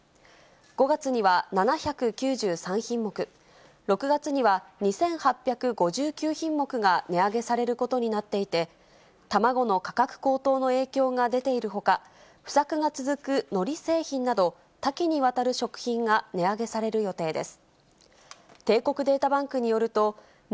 ５月には７９３品目、６月には２８５９品目が値上げされることになっていて、卵の価格高騰の影響が出ているほか、不作が続くのり製品など、多岐にわたる食品が値上げされる予定です。